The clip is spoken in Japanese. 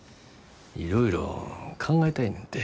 いろいろ考えたいねんて。